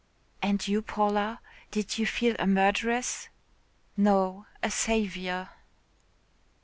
"And you, Paula, did you feel a murderess?" "No, a saviour."